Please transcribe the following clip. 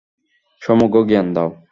সম্যক জ্ঞান দাও।